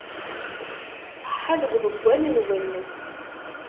Ṣṣeḥa deg uḍeggal-nwen.